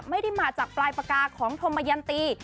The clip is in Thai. ไม่ได้มาจากปลายปากกาของธมยันตี